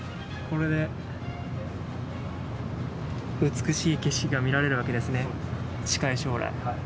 これで美しい景色が見られるわけですね、近い将来。